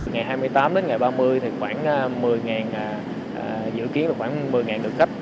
ngày hai mươi tám đến ngày ba mươi thì khoảng một mươi dự kiến là khoảng một mươi lực khách